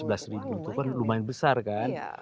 dari sebelas itu kan lumayan besar kan